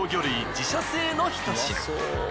自社製のひと品。